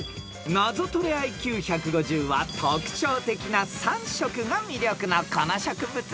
［ナゾトレＩＱ１５０は特徴的な３色が魅力のこの植物ですよ］